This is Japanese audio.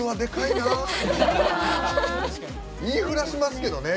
言い触らしますけどね。